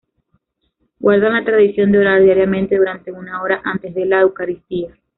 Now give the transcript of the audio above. Guardan la tradición de orar diariamente durante una hora antes de la eucaristía.